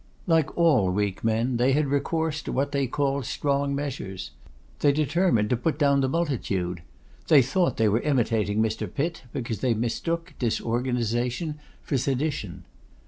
Like all weak men, they had recourse to what they called strong measures. They determined to put down the multitude. They thought they were imitating Mr. Pitt, because they mistook disorganisation for sedition.